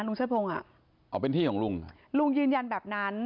เชิดพงศ์อ่ะอ๋อเป็นที่ของลุงลุงยืนยันแบบนั้น